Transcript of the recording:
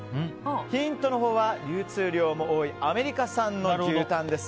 ヒントは流通量も多いアメリカ産の牛タンです。